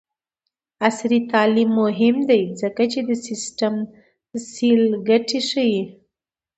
عصري تعلیم مهم دی ځکه چې د سټیم سیل ګټې ښيي.